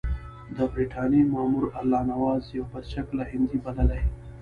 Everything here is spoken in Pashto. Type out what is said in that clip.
د برټانیې مامور الله نواز یو بدشکله هندی بللی.